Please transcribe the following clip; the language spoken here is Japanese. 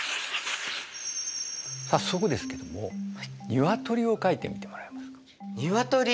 早速ですけども鶏を描いてみてもらえますか？